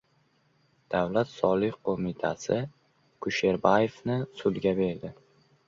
Davlat soliq qo‘mitasi Kusherbaevni sudga berdi